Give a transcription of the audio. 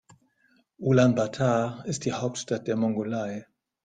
Ulaanbaatar ist die Hauptstadt von Mongolei.